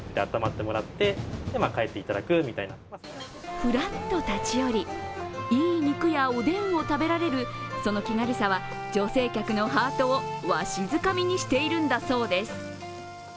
ふらっと立ち寄り、いい肉やおでんを食べられる、その気軽さは女性客のハートをわしづかみにしているんだそうです。